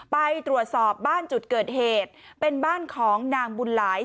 ไปตรวจสอบบ้านจุดเกิดเหตุเป็นบ้านของนางบุญหลาย